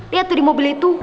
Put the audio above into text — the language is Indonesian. lihat tuh di mobil itu